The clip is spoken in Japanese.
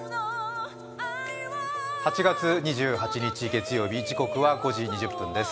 ８月２８日月曜日、時刻は５時２０分です。